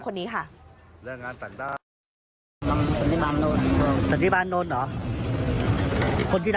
กี่หน่อย